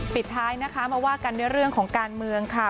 ปิดท้ายนะคะมาว่ากันด้วยเรื่องของการเมืองค่ะ